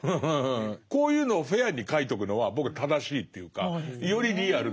こういうのをフェアに書いとくのは僕は正しいというかよりリアルだと思う。